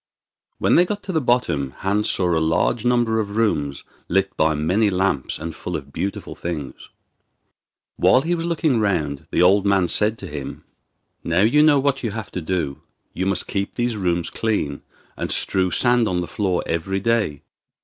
When they got to the bottom Hans saw a large number of rooms lit by many lamps and full of beautiful things. While he was looking round the old man said to him: 'Now you know what you have to do. You must keep these rooms clean, and strew sand on the floor every day.